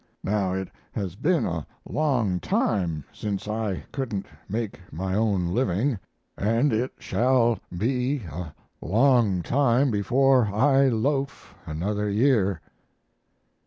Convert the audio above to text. Now it has been a long time since I couldn't make my own living, and it shall be a long time before I loaf another year.